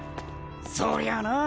そりゃあな。